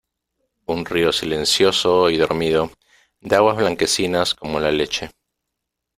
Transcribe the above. un río silencioso y dormido , de aguas blanquecinas como la leche ,